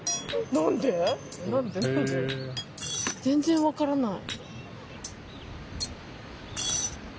全然分からない。